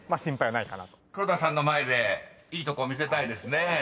［黒田さんの前でいいとこ見せたいですね］